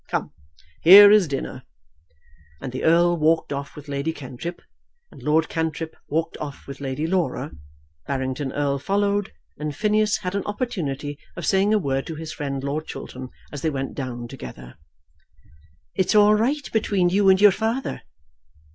Come; here is dinner." And the Earl walked off with Lady Cantrip, and Lord Cantrip walked off with Lady Laura. Barrington Erle followed, and Phineas had an opportunity of saying a word to his friend, Lord Chiltern, as they went down together. "It's all right between you and your father?"